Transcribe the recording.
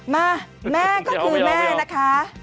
มาแม่ก็คือแม่นะคะ